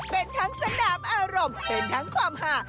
เป็นทั้งสนามอารมณ์เป็นทั้งความหา